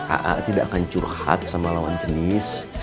aa tidak akan curhat sama lawan jenis